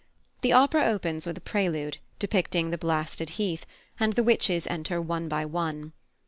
The opera opens with a prelude, depicting the blasted heath, and the witches enter one by one.